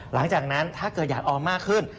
หลังจากนั้นถ้าเกิดอยากออมมากขึ้น